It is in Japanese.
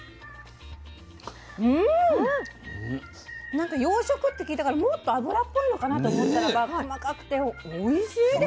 なんか養殖って聞いたからもっと脂っぽいのかなと思ったらば細かくておいしいですね。